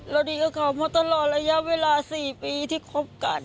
ดีกับเขาเพราะตลอดระยะเวลา๔ปีที่คบกัน